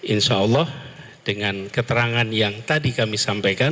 insyaallah dengan keterangan yang tadi kami sampaikan